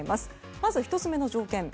まず１つ目の条件。